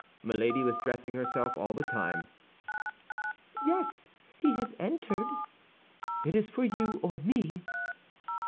_" Milady was dressing herself all the time. "Yes, he has entered." "It is for you or me!"